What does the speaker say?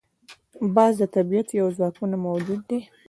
باز د طبیعت یو ځواکمنه موجود ده